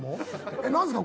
「えっなんですか？